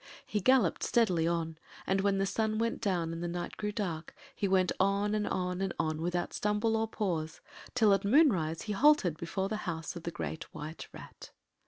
He galloped steadily on, and the sun went down and the night grew dark, and he went on, and on, and on without stumble or pause, till at moonrise he halted before the house of the Great White Rat.